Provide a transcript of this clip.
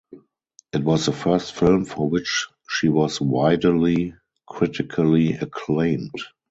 It was the first film for which she was widely critically acclaimed.